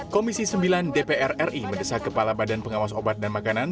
komisi sembilan dpr ri mendesak kepala badan pengawas obat dan makanan